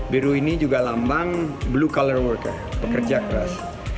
biru ini juga lambang blue color worker pekerja keras